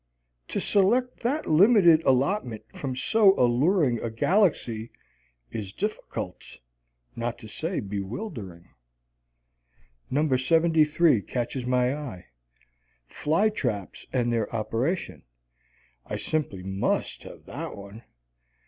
To select that limited allotment from so alluring a galaxy is difficult, not to say bewildering. No. 73 catches my eye "Fly Traps and Their Operation." I simply must have that one.